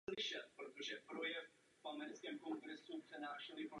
Byl povýšen do hodnosti podplukovníka a za svou práci dostal řád Legion of Merit.